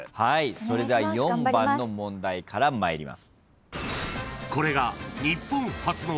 それでは４番の問題から参ります。